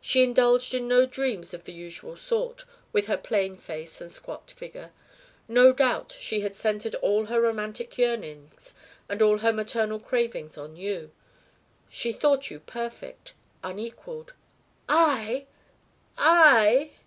She indulged in no dreams of the usual sort, with her plain face and squat figure. No doubt she had centred all her romantic yearnings and all her maternal cravings on you. She thought you perfect unequalled " "I! I!"